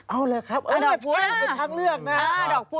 เอาเลยครับใช่เป็นทั้งเรื่องนะ